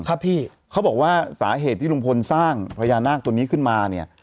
ครับพี่เขาบอกว่าสาเหตุที่ลุงพลสร้างพญานาคตัวนี้ขึ้นมาเนี่ย